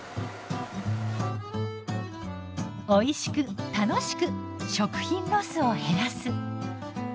おいしく楽しく食品ロスを減らす。